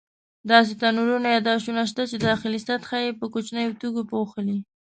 داسې تنورونه یا داشونه شته چې داخلي سطحه یې په کوچنیو تیږو پوښلې.